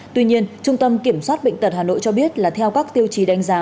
tuy nhiên trung tâm kiểm soát bệnh tật hà nội cho biết là theo các tiêu chí đánh giá